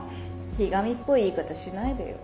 ひがみっぽい言い方しないでよ。